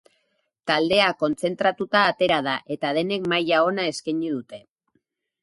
Taldea kontzentratuta atera da, eta denek maila ona eskaini dute.